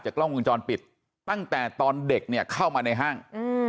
จากกล้องมูลจรปิดตั้งแต่ตอนเด็กเข้ามาในห้าง